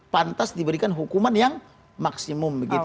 pantas diberikan hukuman yang maksimum